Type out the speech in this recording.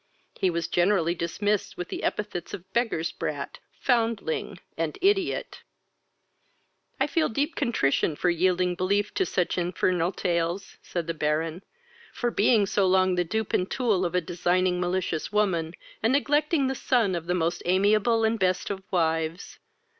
He was generally dismissed with the epithets of beggar's brat, foundling, and ideot." "I feel deep contrition for yielding belief to such infernal tales, (said the Baron,) for being so long the dupe and tool of a designing malicious woman, and neglecting the son of the most amiable and best of wives.